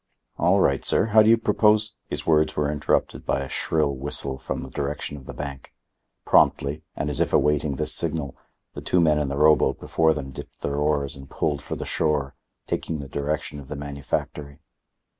"All right, sir—How do you propose—" His words were interrupted by a shrill whistle from the direction of the bank. Promptly, and as if awaiting this signal, the two men in the rowboat before them dipped their oars and pulled for the shore, taking the direction of the manufactory.